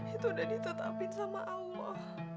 itu udah ditetapin sama allah